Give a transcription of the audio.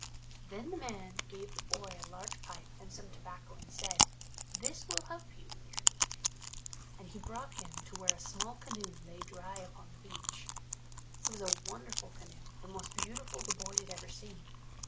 Then the old man gave the boy a large pipe and some tobacco and said, "This will help you in your need." And he brought him to where a small canoe lay dry upon the beach. It was a wonderful canoe, the most beautiful the boy had ever seen.